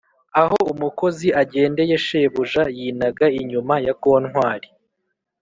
aho umukozi agendeye shebuja yinaga inyuma ya kontwari